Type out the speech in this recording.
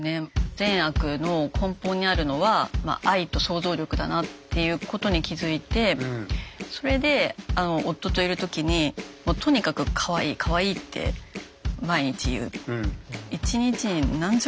善悪の根本にあるのは愛と想像力だなっていうことに気付いてそれで夫といる時にとにかく「かわいいかわいい」って言う？